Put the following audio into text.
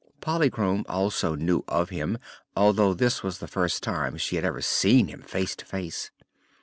Polychrome also knew of him, although this was the first time she had ever seen him face to face.